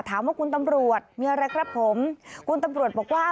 ถามว่าคุณตำรวจมีอะไรครับผมคุณตำรวจบอกว่า